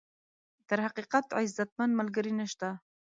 تر حقیقت، عزتمن ملګری نشته.